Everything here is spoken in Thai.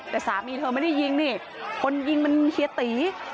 แต่สามีเธอไม่ได้ยิงนี่คนยิงมันเฮียตี